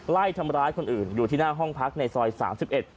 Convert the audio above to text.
ไล่ทำร้ายคนอื่นอยู่ที่หน้าห้องพักในซอยสามสิบเอ็ด